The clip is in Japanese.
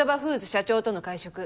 社長との会食。